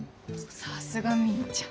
さすがみーちゃん。